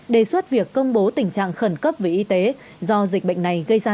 đề xuất việc công bố tình trạng khẩn cấp về y tế do dịch bệnh này gây ra